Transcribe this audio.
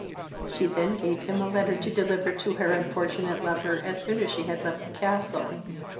She then gave him a letter to deliver to her unfortunate lover as soon as she had left the castle.